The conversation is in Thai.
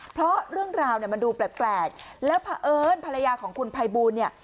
เพราะเรื่องราวเนี้ยมันดูแปลกแปลกแล้วพอเอิ้นภรรยาของคุณภัยบูรณ์เนี้ย